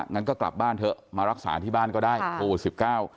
งั้นก็กลับบ้านเถอะมารักษาที่บ้านก็ได้โควิดสิบเก้า